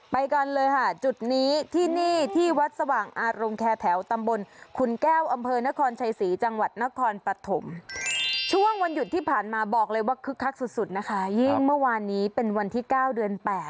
ไปกันเลยค่ะจุดนี้ที่นี่ที่วัดสว่างอารมณ์แคร์แถวตำบลขุนแก้วอำเภอนครชัยศรีจังหวัดนครปฐมช่วงวันหยุดที่ผ่านมาบอกเลยว่าคึกคักสุดนะคะยิ่งเมื่อวานนี้เป็นวันที่๙เดือน๘